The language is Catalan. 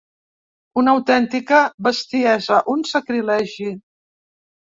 Una autèntica bestiesa, un sacrilegi!